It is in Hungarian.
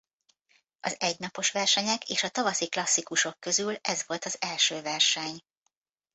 Az egy napos versenyek és a tavaszi klasszikusok közül ez volt az első verseny.